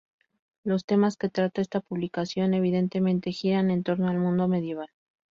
Los temas que trata esta publicación, evidentemente, giran en torno al mundo medieval.